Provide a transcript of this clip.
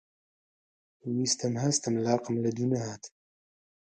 ویستم هەستم، لاقم لەدوو نەهات